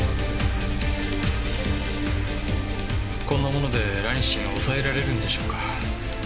こんなものでラニシンを抑えられるんでしょうか？